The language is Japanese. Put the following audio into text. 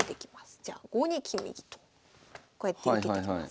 じゃあ５二金右とこうやって受けてきます。